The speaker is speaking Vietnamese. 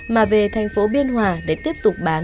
mà về thành phố biên hòa để tiếp tục bán